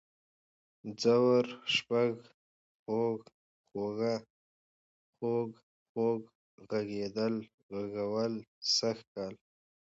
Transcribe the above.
ځوږ، شپږ، خوَږ، خُوږه ، خوږ، خوږ ، غږېدل، غږول، سږ کال